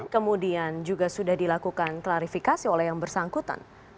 kemudian juga sudah dilakukan klarifikasi oleh yang bersangkutan